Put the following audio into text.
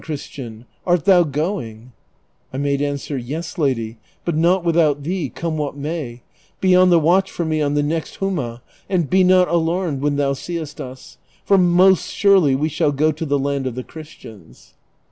Chris tian, art thou going ?" I made answer, " Yes, lady, but not without thee, come what may: be on the watch for me on the next Jum;'i, and be not alarmed when thou seest us ; for most surely we shall go to the land of the Chris ■ tiaus."